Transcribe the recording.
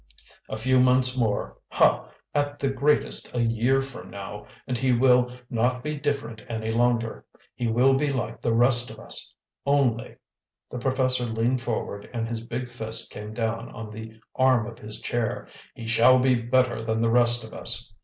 A few months more ha, at the greatest, a year from now and he will not be different any longer; he will be like the rest of us. Only" the professor leaned forward and his big fist came down on the arm of his chair "he shall be better than the rest of us!